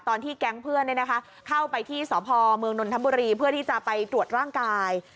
ตอนที่แก๊งเพื่อนเข้าไปที่สพเมืองนนทบุรีเพื่อที่จะไปตรวจร่างกาย